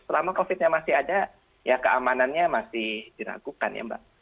selama covid nya masih ada ya keamanannya masih diragukan ya mbak